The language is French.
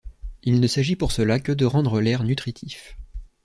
Il ne s’agit pour cela que de rendre l’air nutritif.